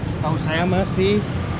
setahu saya masih